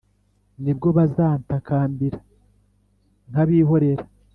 “Ni bwo bazantakambira nkabihorera